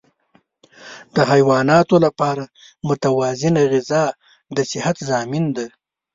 د حیواناتو لپاره متوازنه غذا د صحت ضامن ده.